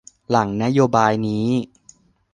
หลังนโยบายนี้